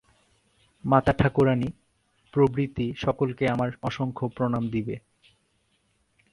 মাতাঠাকুরাণী প্রভৃতি সকলকে আমার অসংখ্য প্রণাম দিবে।